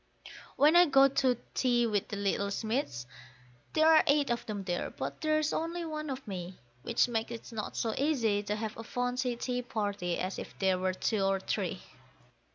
When I go to tea with the little Smiths, there are eight of them there, but there's only one of me, Which makes it not so easy to have a fancy tea party as if there were two or three.